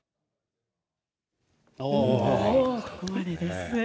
ここまでです。